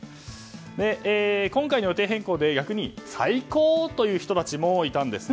今回の予定変更で逆に最高という人たちもいたんです。